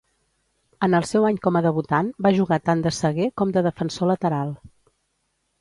En el seu any com a debutant, va jugar tant de saguer com de defensor lateral.